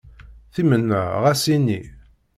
Timenna ɣas ini.